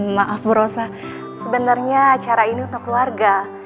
maaf bu rosa sebenarnya acara ini untuk keluarga